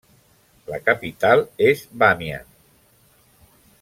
La capital és Bamian.